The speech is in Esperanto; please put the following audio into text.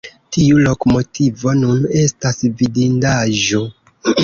Tiu lokomotivo nun estas vidindaĵo.